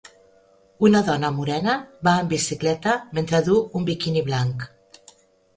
Una dona morena va en bicicleta mentre du un biquini blanc.